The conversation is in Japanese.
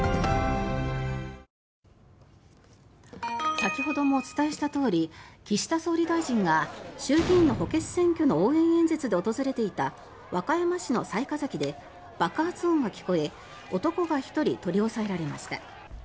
先ほどもお伝えしたとおり岸田総理大臣が衆議院の補欠選挙の応援演説で訪れていた和歌山市の雑賀崎で爆発音が聞こえ男が１人取り押さえられました。